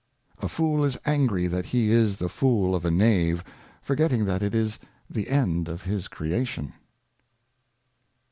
A Fool is angry that he is the Food of a Knave, forgetting that it is the End of his Creation.